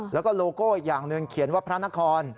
แล้วก็โลโก้อีกอย่างหนึ่งเขียนว่าพระนคร